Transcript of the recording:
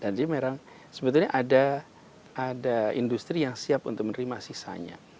dan dia memang sebetulnya ada industri yang siap untuk menerima sisanya